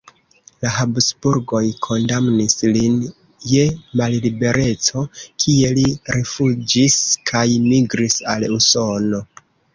La Habsburgoj kondamnis lin je mallibereco, kie li rifuĝis kaj migris al Usono.